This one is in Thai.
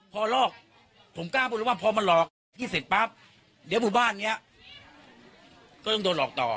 พอลอกผมกล้าพูดเลยว่าพอมาหลอกพี่เสร็จปั๊บเดี๋ยวหมู่บ้านนี้ก็ต้องโดนหลอกต่อ